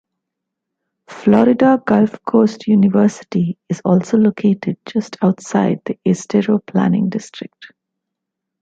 Florida Gulf Coast University is also located just outside the Estero Planning District.